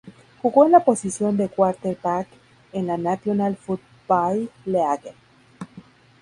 Jugó en la posición de quarterback en la National Football League.